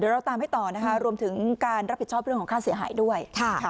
เราตามให้ต่อนะคะรวมถึงการรับผิดชอบเรื่องของค่าเสียหายด้วย